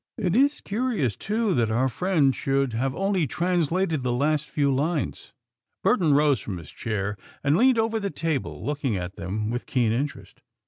It is curious, too, that our friend should have only translated the last few lines." Burton rose from his chair and leaned over the table, looking at them with keen interest.